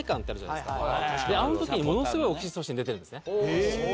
あの時にものすごいオキシトシン出てるんですね。